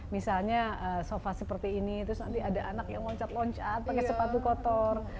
misalnya sofa seperti ini terus nanti ada anak yang loncat loncat pakai sepatu kotor